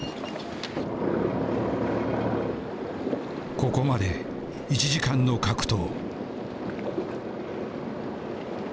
ここまで１時間の格闘。